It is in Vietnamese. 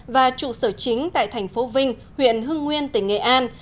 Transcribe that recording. và trụ sở chính tại thành phố vinh huyện hưng nguyên tỉnh nghệ an